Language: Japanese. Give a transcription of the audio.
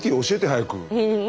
早く。